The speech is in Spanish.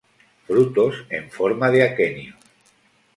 Frutos en forma de aquenios.